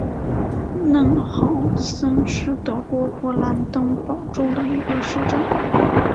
嫩豪森是德国勃兰登堡州的一个市镇。